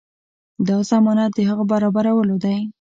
دا ضمانت د هغه برابرولو دی.